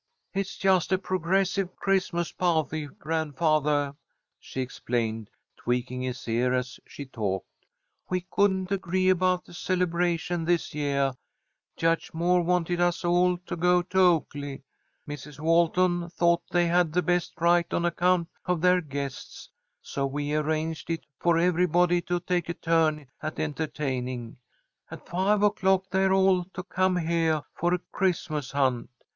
"It's just a progressive Christmas pah'ty, grandfathah," she explained, tweaking his ear as she talked. "We couldn't agree about the celebration this yeah. Judge Moore wanted us all to go to Oaklea. Mrs. Walton thought they had the best right on account of their guests, so we arranged it for everybody to take a turn at entahtaining. At five o'clock they're all to come heah for a Christmas hunt.